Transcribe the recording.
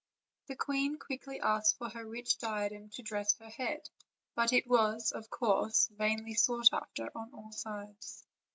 The queen quickly asked for her rich diadem to dress her head; but it was, of course, vainly sought after on all sides.